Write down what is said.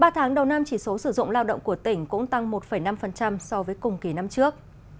ba tháng đầu năm chỉ số sử dụng lao động của tỉnh cũng tăng một năm so với cùng kỳ năm trước